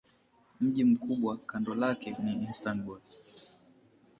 Mji mkubwa kando lake ni Istanbul.